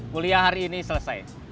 kuliah hari ini selesai